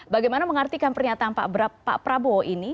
bagaimana mengartikan pernyataan pak prabowo ini